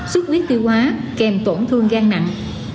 xuất huyết tiêu hóa kèm tổn thương gan nặng